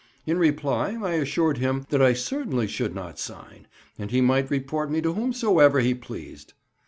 In reply, I assured him that I certainly should not sign, and he might report me to whomsoever he pleased.